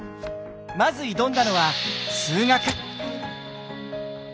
まず挑んだのは数学。